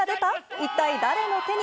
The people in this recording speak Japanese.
一体誰の手に。